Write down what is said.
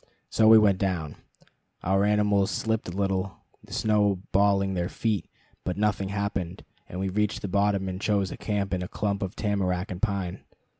So we went down. Our animals slipped a little, the snow balling their feet; but nothing happened, and we reached the bottom and chose a camp in a clump of tamarack and pine.